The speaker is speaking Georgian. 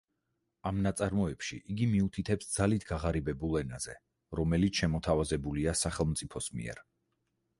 ამ ნაწარმოებში იგი მიუთითებს ძალით გაღარიბებულ ენაზე, რომელიც შემოთავაზებულია სახელმწიფოს მიერ.